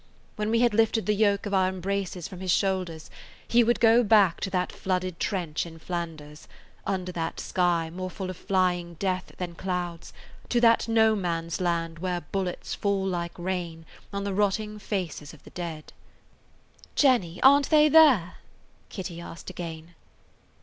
When we had lifted the yoke of our embraces from his shoulders he would go back to that flooded trench in Flanders, under that sky more full of flying death than clouds, to that No Man's Land where bullets fall like rain on the rotting faces of the dead. "Jenny, aren't they there?" Kitty asked again.